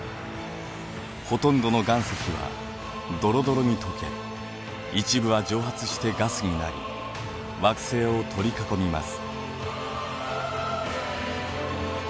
ほとんどの岩石はドロドロに溶け一部は蒸発してガスになり惑星を取り囲みます。